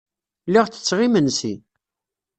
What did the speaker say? Lliɣ ttetteɣ imensi.